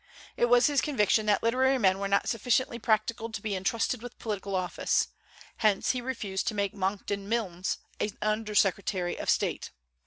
It was his conviction that literary men were not sufficiently practical to be intrusted with political office. Hence he refused to make Monckton Milnes an under secretary of state.